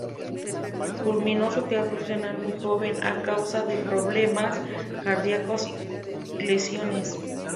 Culmino su actividad profesional muy joven a causa de problemas cardíacos y lesiones.